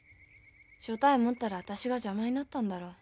所帯持ったら私が邪魔になったんだろ。